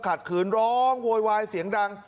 ขืนร้องโวยวายเสียงดัง